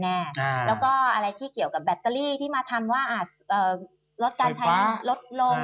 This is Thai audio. แล้วก็อะไรที่เกี่ยวกับแบตเตอรี่ที่มาทำว่าลดการใช้ลดลง